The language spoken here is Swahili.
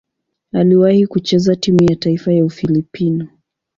Aliwahi kucheza timu ya taifa ya Ufilipino.